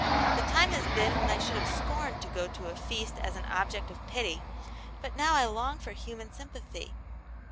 The time has been when I should have scorned to go to a feast as an object of pity, but now I long for human sympathy."